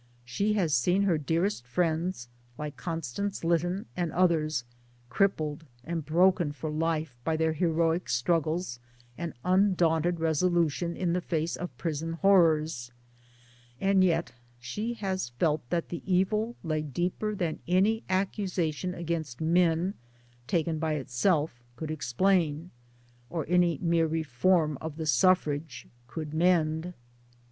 She has seen her dearest friends, like Constance Lytton and others, crippled and broken for life by their heroic struggles and undaunted resolution in face of prison horrors ; and yet she has felt that the evil lay deeper 'than any accusation against men (taken by itself) could explain, or any mere reform of the suffrage could mend.